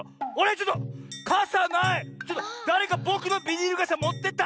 ちょっとだれかぼくのビニールがさもってった！